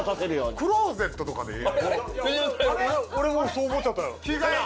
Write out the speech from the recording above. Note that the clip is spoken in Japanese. クローゼットとかでええやん。